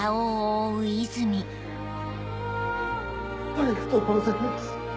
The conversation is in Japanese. ありがとうございます。